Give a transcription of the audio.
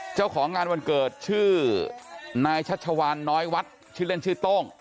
เจ้าของงานวันเกิดชื่อนายชัชวานน้อยวัดชื่อเล่นชื่อโต้ง